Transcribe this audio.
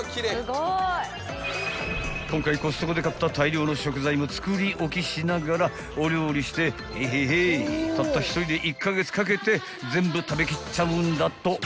［今回コストコで買った大量の食材も作り置きしながらお料理してヘイヘイヘイたった１人で１カ月かけて全部食べきっちゃうんだと］